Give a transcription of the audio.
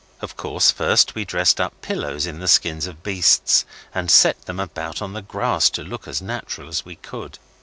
Of course first we dressed up pillows in the skins of beasts and set them about on the grass to look as natural as we could.